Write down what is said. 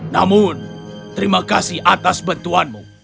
namun terima kasih atas bantuanmu